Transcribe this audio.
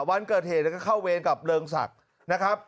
วันเกิดเหตุเข้าเวรกับเริงศักดิ์